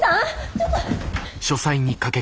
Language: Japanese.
ちょっと。